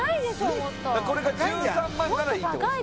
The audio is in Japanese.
もっとこれが１３万ならいいってことです